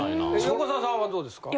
横澤さんはどうですか？